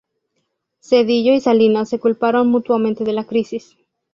Zedillo y Salinas se culparon mutuamente de la crisis.